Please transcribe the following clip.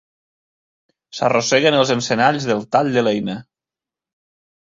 S'arrosseguen els encenalls del tall de l'eina.